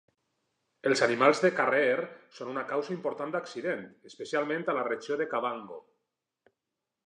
Els animals de carrer són una causa important d'accident, especialment a la regió de Kavango.